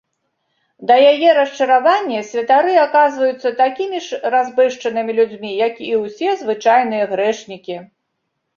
Да яе расчаравання, святары аказваюцца такімі ж разбэшчанымі людзьмі як і ўсе звычайныя грэшнікі.